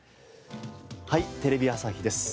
『はい！テレビ朝日です』